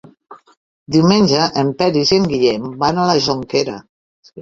Diumenge en Peris i en Guillem van a la Jonquera.